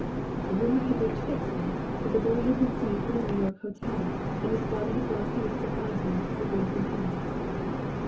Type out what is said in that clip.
The rumor had reached Pittsburgh that the boy had been seen in a New York hotel, and his father had gone East to find him and bring him home.